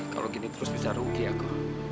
kalau gini terus bisa rugi aku